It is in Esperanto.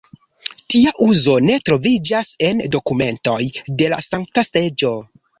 Tia uzo ne troviĝas en dokumentoj de la Sankta Seĝo.